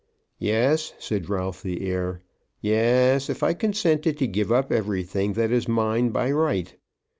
"Yes," said Ralph the heir; "yes, if I consented to give up everything that is mine by right.